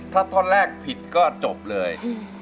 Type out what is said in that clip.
ถ้าท่อนแรกผิดก็จบเลย